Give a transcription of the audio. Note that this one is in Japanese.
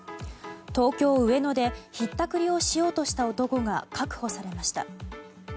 東京・上野でひったくりをしようとした男が確保されました。